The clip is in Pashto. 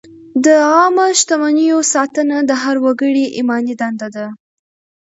د عامه شتمنیو ساتنه د هر وګړي ایماني دنده ده.